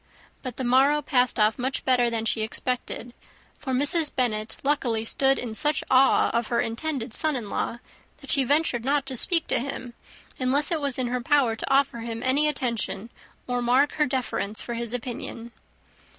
But the morrow passed off much better than she expected; for Mrs. Bennet luckily stood in such awe of her intended son in law, that she ventured not to speak to him, unless it was in her power to offer him any attention, or mark her deference for his opinion.